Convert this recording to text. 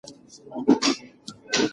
د چرګې مښوکه وهل د مرغیو پام ور واړاوه.